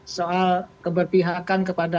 soal keberpihakan kepada